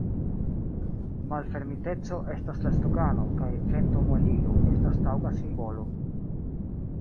Malfermiteco estas la slogano, kaj ventomuelilo estas taŭga simbolo.